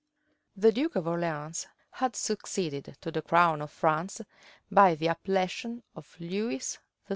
The duke of Orleans had succeeded to the crown of France by the appellation of Lewis XII.